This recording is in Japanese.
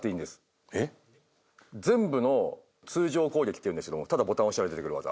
全部の通常攻撃っていうんですけどもただボタンを押したら出てくる技。